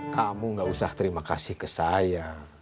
kamu gak usah terima kasih ke saya